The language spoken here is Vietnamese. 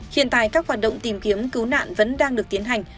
hiện tại các hoạt động tìm kiếm cứu nạn vẫn đang được tiến hành